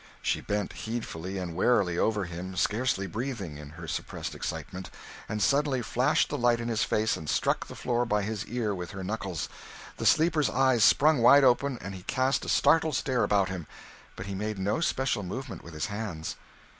She bent heedfully and warily over him, scarcely breathing in her suppressed excitement, and suddenly flashed the light in his face and struck the floor by his ear with her knuckles. The sleeper's eyes sprang wide open, and he cast a startled stare about him but he made no special movement with his hands.